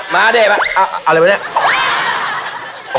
มาเลยเอาเลยไหมเนี่ย